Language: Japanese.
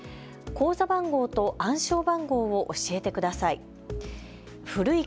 口座番号と暗証番号を教えてください。